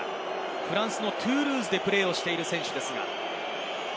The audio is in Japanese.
フランスのトゥールーズでプレーしている選手です。